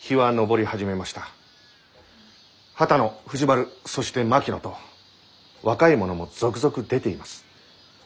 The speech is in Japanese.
波多野藤丸そして槙野と若い者も続々出ています。